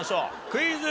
クイズ。